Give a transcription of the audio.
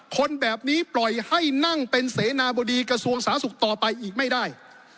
คนแบบนี้ปล่อยให้นั่งเป็นเสนาบดีกระทรวงสาธารณสุขต่อไปอีกไม่ได้